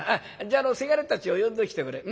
じゃあ伜たちを呼んできておくれ。